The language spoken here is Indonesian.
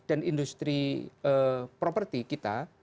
dan industri properti kita